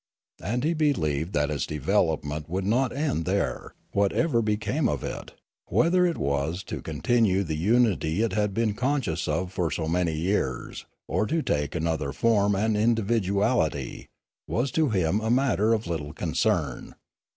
And he believed that its development would not end there, whatever became of it; whether it was to con tinue the unity it had been conscious of for so many years, or to take another form and individuality, was to him a matter of little concern.